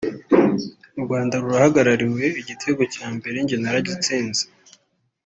u Rwanda rurahagarariwe igitego cya mbere njye naragitsinze